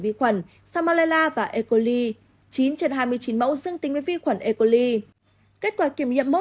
vi khuẩn samalela và e coli chín trên hai mươi chín mẫu dương tính với vi khuẩn e coli kết quả kiểm nhiệm mẫu